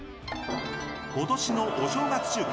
今年のお正月中継！